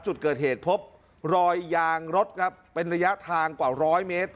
จุดเกิดเหตุพบรอยยางรถครับเป็นระยะทางกว่าร้อยเมตร